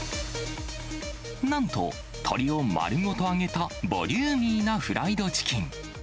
なんと鶏を丸ごと揚げたボリューミーなフライドチキン。